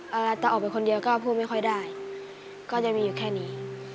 อะไรจะออกไปคนเดียวก็พูดไม่ค่อยได้ก็จะมีอยู่แค่นี้